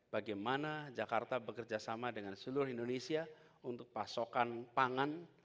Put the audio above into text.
bagaimana jakarta bekerjasama dengan seluruh indonesia untuk pasokan pangan